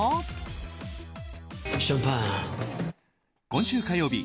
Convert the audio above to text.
今週火曜日